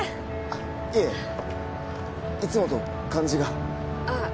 あっいえいつもと感じがああ